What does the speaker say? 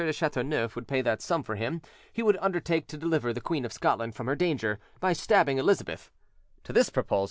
de Chateauneuf would pay that sum for him he would undertake to deliver the Queen of Scotland from her danger, by stabbing Elizabeth: to this proposal, M.